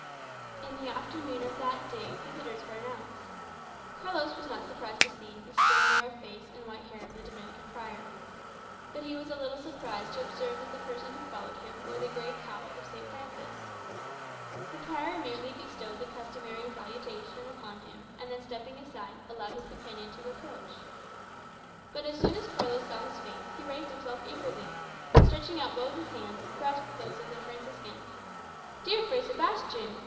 In the afternoon of that day visitors were announced. Carlos was not surprised to see the stern narrow face and white hair of the Dominican prior. But he was a little surprised to observe that the person who followed him wore the gray cowl of St. Francis. The prior merely bestowed the customary salutation upon him, and then, stepping aside, allowed his companion to approach. But as soon as Carlos saw his face, he raised himself eagerly, and stretching out both his hands, grasped those of the Franciscan. "Dear Fray Sebastian!"